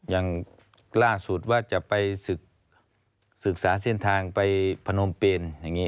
อย่างล่าสุดว่าจะไปศึกษาเส้นทางไปพนมปีนอย่างนี้